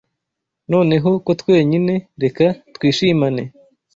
Noneho ko twenyine, reka twishimane.